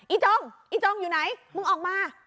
จงอีจงอยู่ไหนมึงออกมา